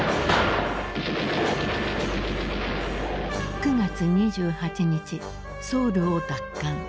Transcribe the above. ９月２８日ソウルを奪還。